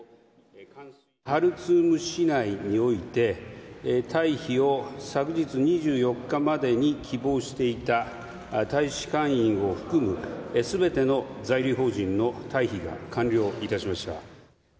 ハルツーム市内において、退避を昨日２４日までに希望していた大使館員を含むすべての在留邦人の退避が完了いたしました。